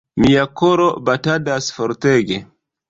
Mia koro batadas fortege.